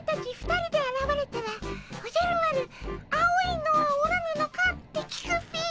２人であらわれたらおじゃる丸「青いのはおらぬのか」って聞くっピィ。